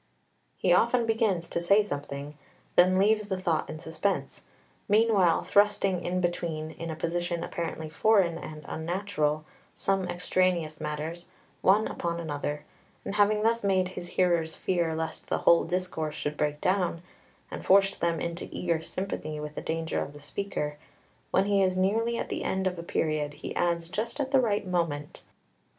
4 He often begins to say something, then leaves the thought in suspense, meanwhile thrusting in between, in a position apparently foreign and unnatural, some extraneous matters, one upon another, and having thus made his hearers fear lest the whole discourse should break down, and forced them into eager sympathy with the danger of the speaker, when he is nearly at the end of a period he adds just at the right moment, _i.e.